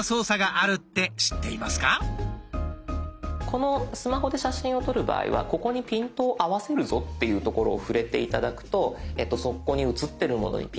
このスマホで写真を撮る場合はここにピントを合わせるぞっていうところを触れて頂くとそこに写ってるものにピントが合います。